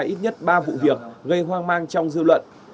các đối tượng đã gây ra nhiều vụ việc gây hoang mang trong dư luận